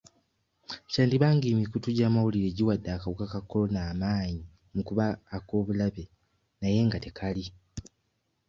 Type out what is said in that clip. Kyandiba ng'emikutu gy'amawulire giwadde akawuka ka Corona amaanyi mu kuba ak'obulabe naye nga tekali.